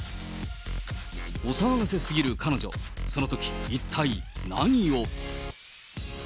お騒がせすぎる彼女、そのとき、一体何を。